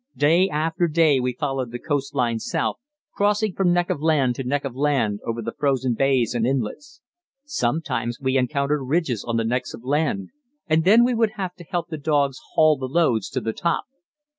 Day after day we followed the coast line south, crossing from neck of land to neck of land over the frozen bays and inlets. Sometimes we encountered ridges on the necks of land, and then we would have to help the dogs haul the loads to the top.